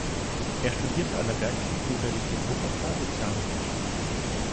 Er studierte an der Bergischen Universität Wuppertal Sozialwissenschaften.